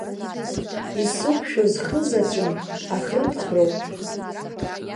Исықәшәаз хызаҵәым, ахрыԥхроуп.